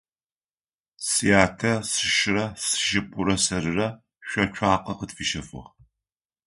Сятэ сшырэ сшыпхъурэ сэрырэ шъо цуакъэ къытфищэфыгъ.